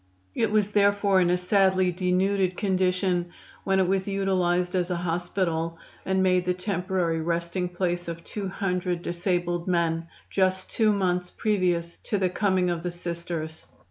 It was therefore in a sadly denuded condition when it was utilized as a hospital and made the temporary resting place of two hundred disabled men, just two months previous to the coming of the Sisters.